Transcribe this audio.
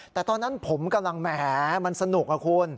แต่ตอนนั้นผมกำลังแหมมันสนุกอะคุณ